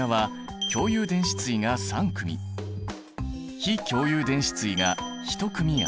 非共有電子対が１組ある。